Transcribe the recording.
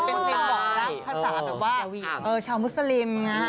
เป็นเพลงบอกรักภาษาแบบว่าชาวมุสลิมนะฮะ